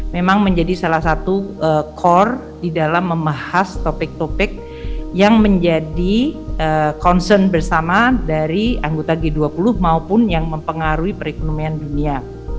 memang menjadi salah satu core di dalam membahas topik topik yang menjadi concern bersama dari anggota g dua puluh maupun yang mempengaruhi perekonomian dunia